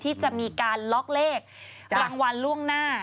ที่จะมีการล็อกเลขรางวัลล่วงหน้า